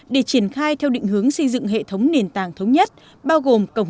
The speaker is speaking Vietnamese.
để triển khai theo định hướng xây dựng hệ thống nền tảng thống nhất bao gồm cổng dịch vụ công